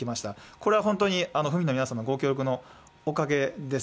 これは本当に、府民の皆様のご協力のおかげです。